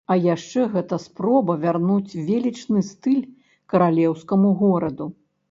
А яшчэ гэта спроба вярнуць велічны стыль каралеўскаму гораду.